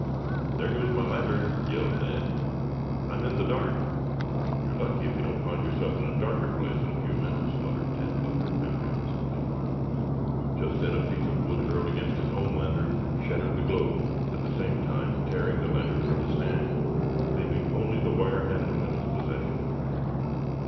"There goes my lantern!" yelled Ned. "I'm in the dark." "You're lucky if you don't find yourself in a darker place in a few minutes," muttered Tad Butler apprehensively. Just then a piece of wood hurled against his own lantern shattered the globe, at the same time tearing the lantern from his hand, leaving only the wire handle in his possession.